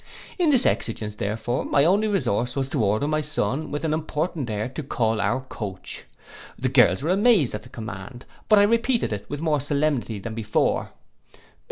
In this exigence, therefore, my only resource was to order my son, with an important air, to call our coach. The girls were amazed at the command; but I repeated it with more solemnity than before.